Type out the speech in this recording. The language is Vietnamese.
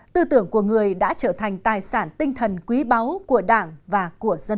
tư tưởng của người đã trở thành tài sản tinh thần quý báu của đảng và của xã